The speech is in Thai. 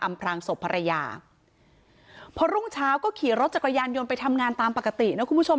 พรางศพภรรยาพอรุ่งเช้าก็ขี่รถจักรยานยนต์ไปทำงานตามปกตินะคุณผู้ชม